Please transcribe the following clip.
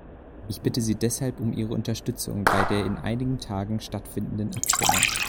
Ich bitte Sie deshalb um Ihre Unterstützung bei der in einigen Tagen stattfindenden Abstimmung.